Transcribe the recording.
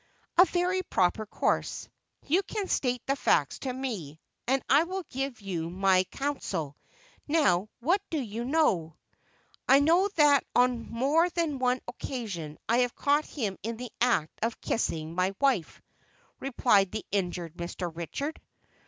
"A very proper course. You can state the facts to me, and I will give you my counsel. Now what do you know?" "I know that on more than one occasion I have caught him in the act of kissing my wife," replied the injured Mr. Richard.